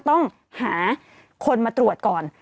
ต้องหาคนมาตรวจก่อน